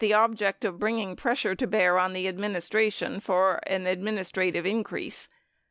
630 object of bringing pressure to bear on the administration for an administrative increase.